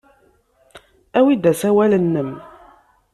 Awi-d asawal-nnem.